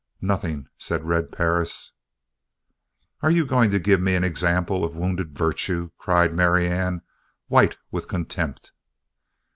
"Nothing," said Red Perris. "Are you going to give me an example of wounded virtue?" cried Marianne, white with contempt.